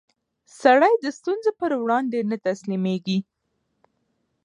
سړی د ستونزو پر وړاندې نه تسلیمېږي